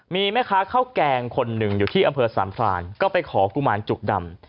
มีแม่ค้าข้าวแกงคนหนึ่งอยู่ที่อำเภอสามพรานก็ไปขอกุมารจุกดำ